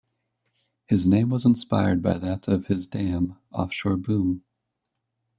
His name was inspired by that of his dam Offshore Boom.